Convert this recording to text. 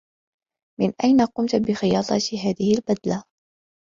من أين قمت بخياطة هذه البدلة؟